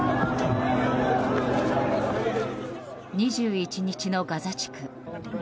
２１日のガザ地区。